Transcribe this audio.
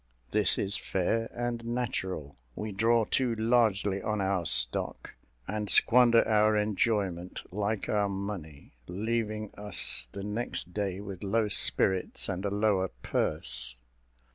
This is fair and natural; we draw too largely on our stock, and squander our enjoyment like our money, leaving us the next day with low spirits and a lower purse.